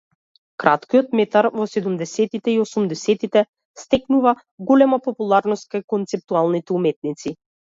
Краткиот метар во седумдесеттите и осумдесеттите стекнува голема популарност кај концептуалните уметници.